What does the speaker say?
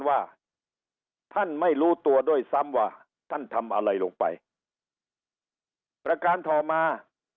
ว่าท่านไม่รู้ตัวด้วยซ้ำว่าท่านทำอะไรลงไปประการต่อมา